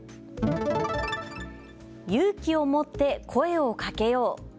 勇気を持って声をかけよう。